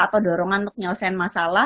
atau dorongan untuk menyelesaikan masalah